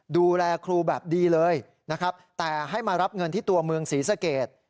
ดูแลครูแบบดีเลยนะครับแต่ให้มารับเงินที่ตัวเมืองศรีสเกต